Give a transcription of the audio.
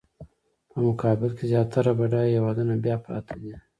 په مقابل کې زیاتره بډایه هېوادونه بیا پراته دي.